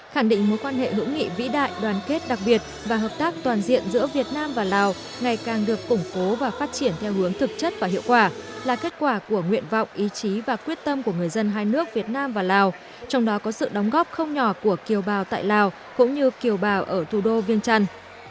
khẳng định mối quan hệ hữu nghị vĩ đại đoàn kết đặc biệt và hợp tác toàn diện giữa việt nam và lào ngày càng được củng cố và phát triển theo hướng thực chất và hiệu quả là kết quả của nguyện vọng ý chí và quyết tâm của người dân hai nước việt nam và lào trong đó có sự đóng góp không nhỏ của kiều bào tại lào cũng như kiều bào ở thủ đô viêng trăn